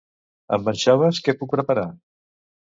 Amb anxoves què puc preparar?